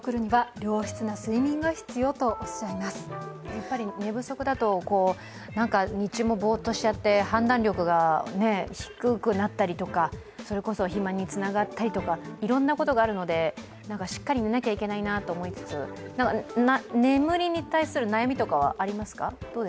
やっぱり寝不足だと、なんか日中もぼーっとしちゃって判断力が低くなったりとか、それこそ肥満につながったりとか、いろんなことがあるのでしっかり寝なきゃいけないなと思いつつ、眠りに対する悩みとかはありますか？